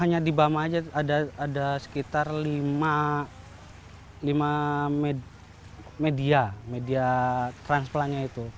tanya di bama aja ada sekitar lima media transplantnya itu